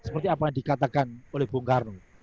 seperti apa yang dikatakan oleh bung karno